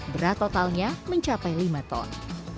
berat totalnya mencapai lima ton